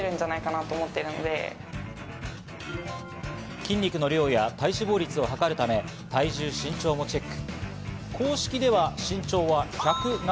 筋肉の量や体脂肪率を測るため体重・身長もチェック。